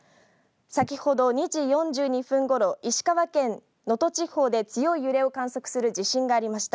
先ほど２時４２分ごろ石川県能登地方で強い揺れを観測する地震がありました。